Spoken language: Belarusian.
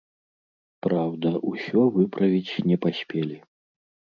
Праўда, усё выправіць не паспелі.